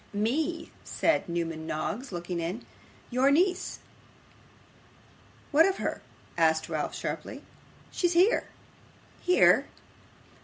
'Me,' said Newman Noggs, looking in. 'Your niece.' 'What of her?' asked Ralph sharply. 'She's here.' 'Here!